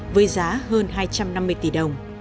với giá hơn hai triệu đồng